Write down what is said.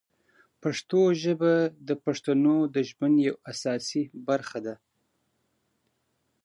پښتو ژبه د پښتنو د ژوند یوه اساسي برخه ده.